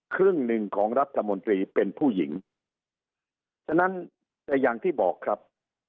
ครึ่งหนึ่งของรัฐมนตรีเป็นผู้หญิงฉะนั้นแต่อย่างที่บอกครับ